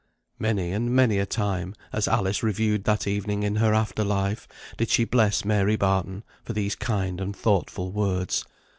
Many and many a time, as Alice reviewed that evening in her after life, did she bless Mary Barton for these kind and thoughtful words.